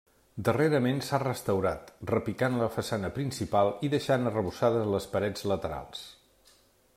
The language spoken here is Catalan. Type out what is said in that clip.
Darrerament s'ha restaurat repicant la façana principal i deixant arrebossades les parets laterals.